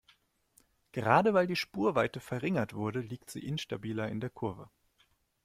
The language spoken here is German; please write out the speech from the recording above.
Gerade weil die Spurweite verringert wurde, liegt sie instabiler in der Kurve.